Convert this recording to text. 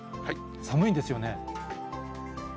寒いんですよね？